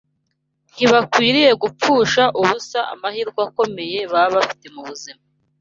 Ntibakwiriye gupfusha ubusa amahirwe akomeye baba bafite mu buzima